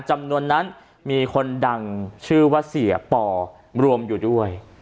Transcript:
จำนวนนั้นมีคนดังชื่อว่าเสียปอรวมอยู่ด้วย